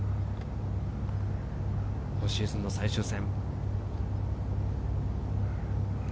今シーズンの最終戦。